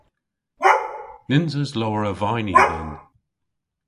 Nyns eus lowr a vayni dhyn.